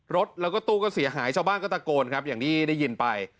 รถแล้วก็ตู้ก็เสียหายชาวบ้านก็ตะโกนครับอย่างที่ได้ยินไป